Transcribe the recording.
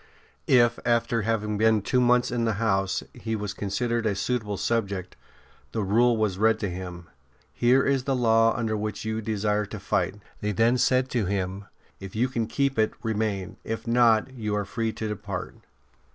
If, after having been two months ST. BENEDICT 75 in the house he was considered a suitable subject, the Rule was read to him. '' Here is the law under which you desire to fight/' they then said to him: '' If you can keep it, remain; if not, you are free to depart."